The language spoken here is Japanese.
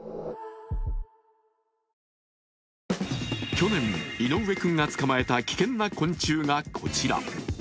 去年、井上君が捕まえた危険な昆虫がこちら。